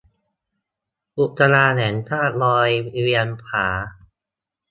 อุทยานแห่งชาติดอยเวียงผา